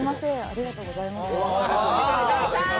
ありがとうございます。